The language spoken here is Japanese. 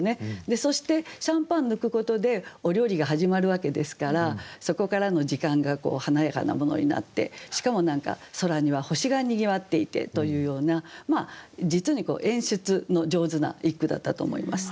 そしてシャンパン抜くことでお料理が始まるわけですからそこからの時間が華やかなものになってしかも何か空には星がにぎわっていてというような実に演出の上手な一句だったと思います。